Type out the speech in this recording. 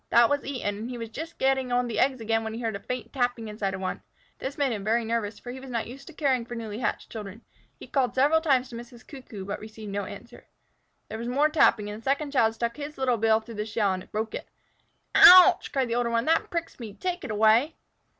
That was eaten, and he was just getting on the eggs again when he heard a faint tapping inside of one. This made him very nervous, for he was not used to caring for newly hatched children. He called several times to Mrs. Cuckoo, but received no answer. There was more tapping, and the second child stuck his little bill through the shell and broke it. "Ouch!" cried the older one; "that pricks me. Take it away!"